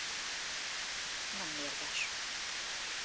Nem mérges.